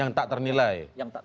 yang tak ternilai